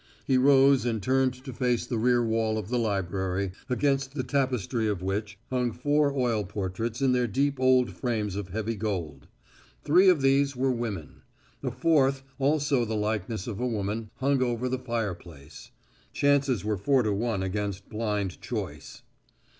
He rose and turned to face the rear wall of the library, against the tapestry of which hung four oil portraits in their deep old frames of heavy gold. Three of these were of women. A fourth, also the likeness of a woman, hung over the fireplace. Chances were four to one against blind choice.